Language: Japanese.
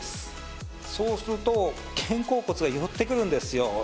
そうすると肩甲骨が寄ってくるんですよ。